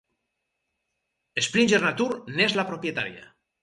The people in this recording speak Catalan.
Springer Nature n'és la propietària.